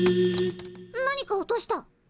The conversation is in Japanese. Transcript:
何か落とした。